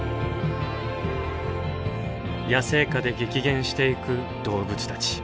野生下で激減していく動物たち。